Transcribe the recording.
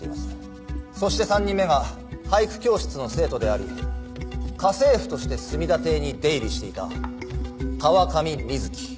そして３人目が俳句教室の生徒であり家政婦として墨田邸に出入りしていた川上美月。